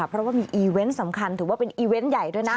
เพราะว่ามีอีเวนต์สำคัญถือว่าเป็นอีเวนต์ใหญ่ด้วยนะ